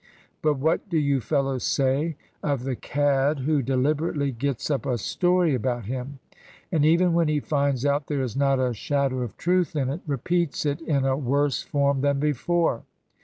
But what do you fellows say of the cad who deliberately gets up a story about him; and, even when he finds out there is not a shadow of truth in it, repeats it in a worse form than before?